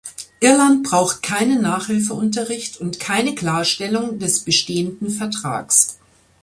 Irland braucht keinen Nachhilfeunterricht und keine Klarstellung des bestehenden Vertrags.